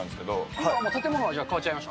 今、建物は変わっちゃいまし